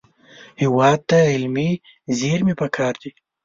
هېواد ته علمي زېرمې پکار دي